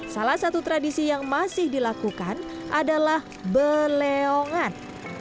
salah satu tradisi yang masih dilakukan adalah beleongan